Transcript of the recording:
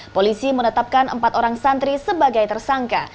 polisi menetapkan empat orang santri sebagai tersangka